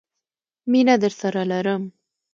مینه درسره لرم